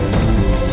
ada apaan sih